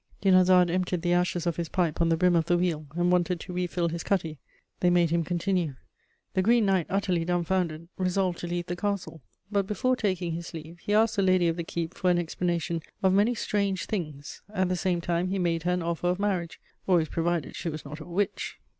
Dinarzade emptied the ashes of his pipe on the rim of the wheel and wanted to refill his cutty; they made him continue: "The Green Knight, utterly dumfoundered, resolved to leave the castle; but, before taking his leave, he asked the lady of the keep for an explanation of many strange things; at the same time he made her an offer of marriage, always provided she was not a witch."